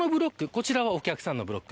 こちらがお客さんのブロック。